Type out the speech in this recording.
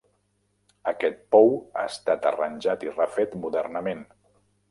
Aquest pou ha estat arranjat i refet modernament.